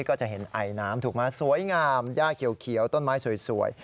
ก็จะเห็นไอน้ำถูกไหมสวยงามย่าเขียวต้นไม้สวย